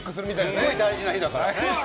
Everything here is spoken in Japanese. すごい大事な日だから。